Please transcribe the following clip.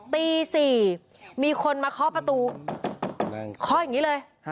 ตี๔มีคนมาเคาะประตูเคาะอย่างนี้เลย